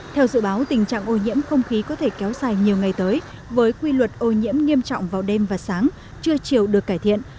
theo dự báo tình trạng ô nhiễm không khí có thể kéo dài nhiều ngày tới với quy luật ô nhiễm nghiêm trọng vào đêm và sáng chưa chiều được cải thiện